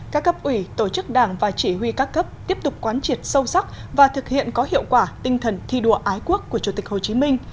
các cấp ủy tổ chức đảng và chỉ huy các cấp tiếp tục quán triệt sâu sắc và thực hiện có hiệu quả tinh thần thi đua ái quốc của chủ tịch hồ chí minh